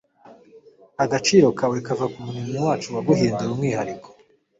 agaciro kawe kava kumuremyi wacu waguhinduye umwihariko